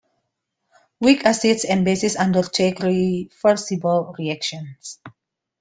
Weak acids and bases undertake reversible reactions.